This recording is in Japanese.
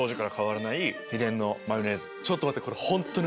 ちょっと待って！